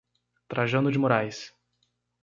Trajano de Moraes